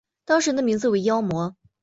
当时的名字为妖魔。